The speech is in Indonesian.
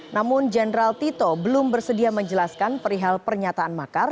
namun jenderal tito belum bersedia menjelaskan perihal pernyataan makar